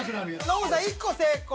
ノブさん１個成功。